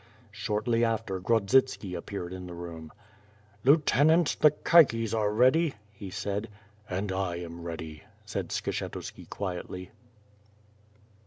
Shortly after, Grod zitski appeared in the room. "Lieutenant, the caiques are ready," he said. "And I am ready," said Skshetuski quietly.